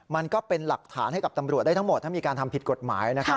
มันก็เป็นหลักฐานให้กับตำรวจได้ทั้งหมดถ้ามีการทำผิดกฎหมายนะครับ